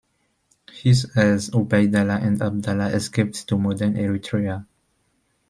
His heirs Ubaydallah and Abdallah escaped to modern Eritrea.